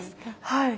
はい。